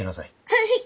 はい！